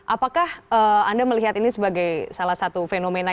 apakah anda melihat ini sebagai salah satu fenomena